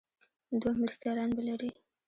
دوه مرستیالان به لري.